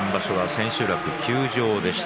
千秋楽休場でした。